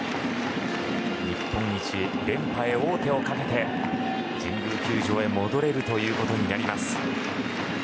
日本一へ、連覇へ王手をかけて神宮球場へ戻れるということになります。